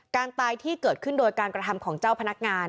การตายที่เกิดขึ้นโดยการกระทำของเจ้าพนักงาน